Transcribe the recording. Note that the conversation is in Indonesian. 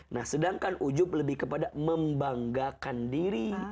nah sedangkan ujub lebih kepada membanggakan diri